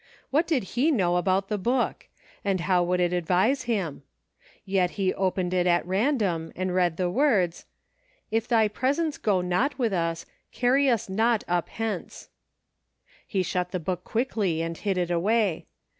What did he know about the book .' And how could it advise him .'' Yet he opened it at random, and read the words, " If Thy presence go not with us, carry us not up hence." He shut the book quickly and hid it away.